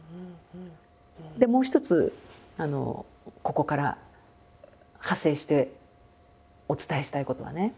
でもう一つここから派生してお伝えしたいことはね